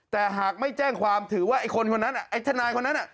แต่หากไม่แจ้งความถือว่าไอ้คนคนนั้นไอ้ทนายคนนั้น